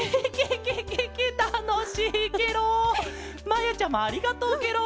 まやちゃまありがとうケロ！